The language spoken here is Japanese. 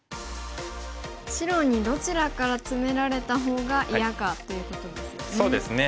白にどちらからツメられた方が嫌かということですよね。